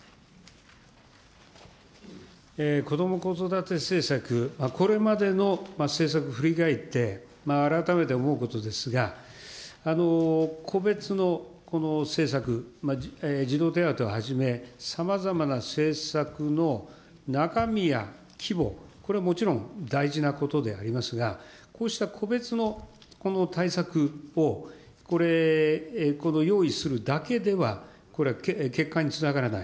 こども・子育て政策、これまでの政策振り返って、改めて思うことですが、個別の政策、児童手当をはじめ、さまざまな政策の中身や規模、これはもちろん大事なことでありますが、こうした個別の対策を、用意するだけでは、これは結果につながらない。